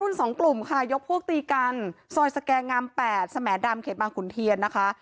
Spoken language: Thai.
สองกลุ่มค่ะยกพวกตีกันซอยสแกงาม๘สมดำเขตบางขุนเทียนนะคะ